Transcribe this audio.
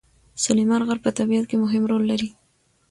سلیمان غر په طبیعت کې مهم رول لري.